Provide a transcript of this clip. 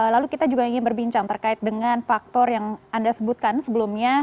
lalu kita juga ingin berbincang terkait dengan faktor yang anda sebutkan sebelumnya